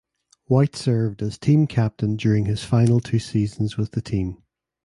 White served as team captain during his final two seasons with the team.